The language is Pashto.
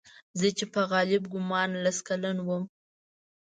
زه چې په غالب ګومان لس کلن وم.